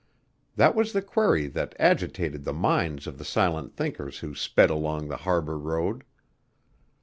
That was the query that agitated the minds of the silent thinkers who sped along the Harbor Road.